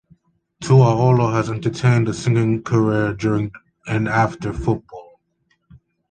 Tuaolo has entertained a singing career during and after football.